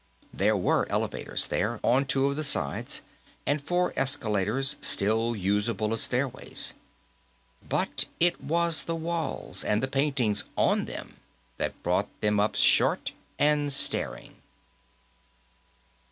There were elevators, there, on two of the sides, and four escalators, still usable as stairways. But it was the walls, and the paintings on them, that brought them up short and staring.